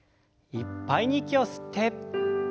いっぱいに息を吸って。